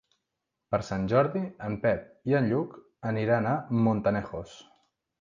Per Sant Jordi en Pep i en Lluc aniran a Montanejos.